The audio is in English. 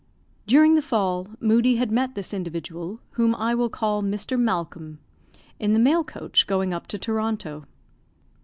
During the fall, Moodie had met this individual (whom I will call Mr. Malcolm) in the mail coach, going up to Toronto.